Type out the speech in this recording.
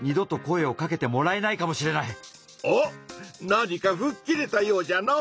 なにかふっきれたようじゃの。